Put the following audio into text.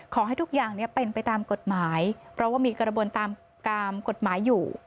ขอให้ทุกอย่างเป็นไปตามกฎหมายเพราะว่ามีกระบวนตามกฎหมายอยู่